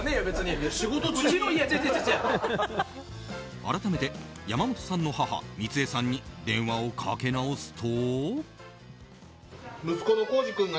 改めて、山本さんの母光枝さんに電話をかけ直すと。